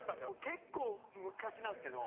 結構昔なんですけど。